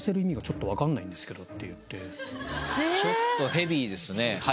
ちょっとヘビーですね入りが。